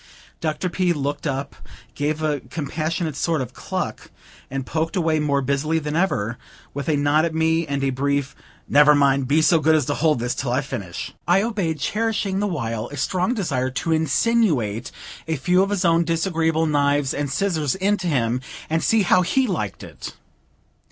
Dr. P. looked up, gave a compassionate sort of cluck, and poked away more busily than ever, with a nod at me and a brief "Never mind; be so good as to hold this till I finish." I obeyed, cherishing the while a strong desire to insinuate a few of his own disagreeable knives and scissors into him, and see how he liked it.